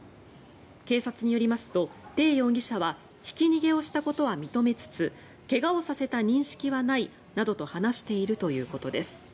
警察によりますと、テイ容疑者はひき逃げをしたことは認めつつ怪我をさせた認識はないなどと話しているということです。